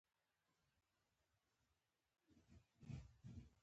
آیا د پښتنو په کور کې د پخلنځي کار د ښځو نه دی؟